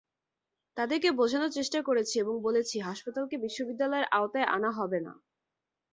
তাঁদেরকে বোঝানোর চেষ্টা করেছি এবং বলেছি, হাসপাতালকে বিশ্ববিদ্যালয়ের আওতায় আনা হবে না।